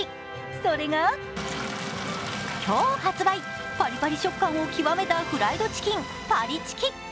それが今日発売、パリパリ食感を極めたフライドチキン、パリチキ。